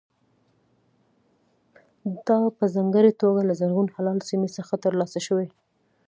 دا په ځانګړې توګه له زرغون هلال سیمې څخه ترلاسه شوي.